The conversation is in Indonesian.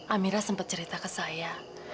amira sempat cerita ke saya